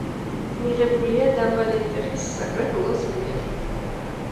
მიღებულია დაბა ლენტეხის საკრებულოს მიერ.